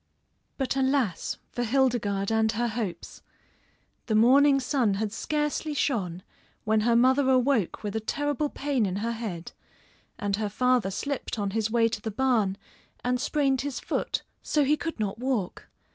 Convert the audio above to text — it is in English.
But alas, for Hildegarde and her hopes! The morning sun had scarcely shone when her mother awoke with a terrible pain in her head, and her father slipped on his way to the barn and sprained his foot so he could not walk.